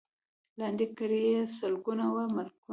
لاندي کړي یې سلګونه وه ملکونه